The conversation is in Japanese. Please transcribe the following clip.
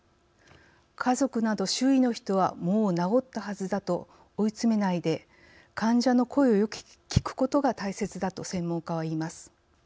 家族など周囲の人はもう治ったはずだと追い詰めないで患者の声をよく聞くことが大切だと専門家は言います。